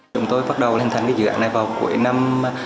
chúng tôi bắt đầu hình thành dự án này vào cuối năm hai nghìn một mươi bảy